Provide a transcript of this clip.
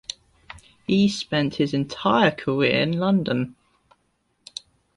He spent his entire career in London.